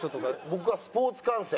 僕はスポーツ観戦。